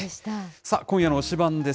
さあ、今夜の推しバン！です。